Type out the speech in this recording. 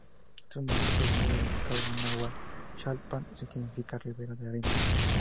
Su nombre proviene del vocablo náhuatl "Xal-apan", que significa ""Rivera de arena"".